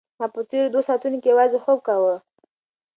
ما په تېرو دوو ساعتونو کې یوازې خوب کاوه.